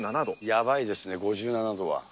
やばいですね、５７度は。